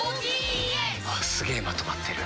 すげえまとまってる。